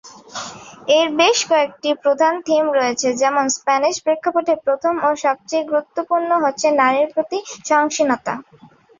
এর বেশ কয়েকটি প্রধান থিম রয়েছে, যেমন স্প্যানিশ প্রেক্ষাপটে প্রথম ও সবচেয়ে গুরুত্বপূর্ণ হচ্ছে নারীর প্রতি সহিংসতা।